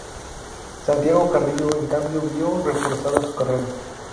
Santiago Carrillo, en cambio, vio reforzada su carrera.